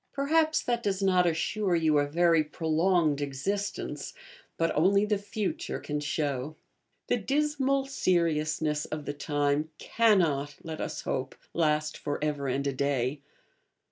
Perhaps that does not assure you a very prolonged existence, but only the future can show. The dismal seriousness of the time cannot, let us hope, last for ever and a day.